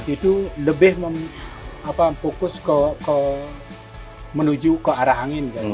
itu lebih fokus menuju ke arah angin